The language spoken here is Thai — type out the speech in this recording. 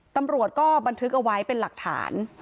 ตำรวจก็บันทึกเอาไว้เป็นหลักฐาน